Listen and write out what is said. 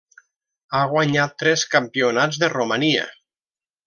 Ha guanyat tres Campionats de Romania.